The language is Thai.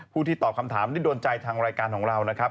ที่ตอบคำถามที่โดนใจทางรายการของเรานะครับ